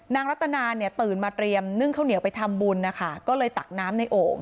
รัตนาเนี่ยตื่นมาเตรียมนึ่งข้าวเหนียวไปทำบุญนะคะก็เลยตักน้ำในโอ่ง